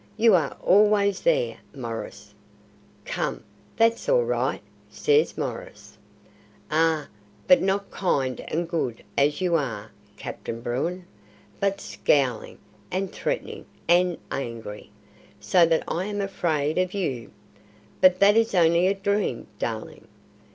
You are always there, Maurice." "Come, that's all right," says Maurice. "Ah, but not kind and good as you are, Captain Bruin, but scowling, and threatening, and angry, so that I am afraid of you." "But that is only a dream, darling."